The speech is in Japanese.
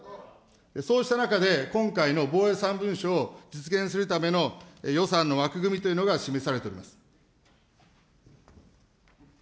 そうした中で、今回の防衛３文書を実現するための予算の枠組みというのが示されております。